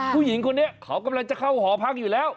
ผู้หญิงคนนี้เขากำลังจะเข้าหอพักอยู่แล้ว